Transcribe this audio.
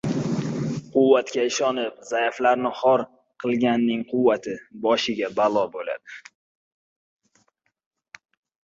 • Quvvatiga ishonib zaiflarni xor qilganning quvvati boshiga balo bo‘ladi.